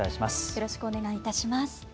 よろしくお願いします。